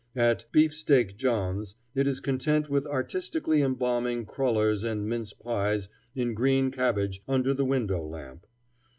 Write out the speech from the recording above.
At "Beefsteak John's" it is content with artistically embalming crullers and mince pies in green cabbage under the window lamp.